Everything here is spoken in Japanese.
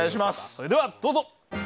それでは、どうぞ！